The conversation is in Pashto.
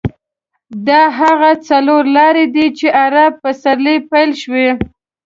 دا هغه څلور لارې ده چې عرب پسرلی پیل شو.